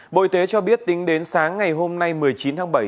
bộ y tế cho biết tính đến sáng ngày hôm nay một mươi chín tháng bảy